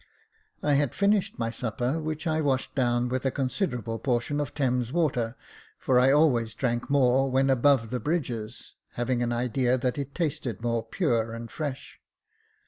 I had finished my supper, which I washed down with a considerable portion of Thames water, for I always drank more when above the bridges, having an idea that it tasted more pure and fresh.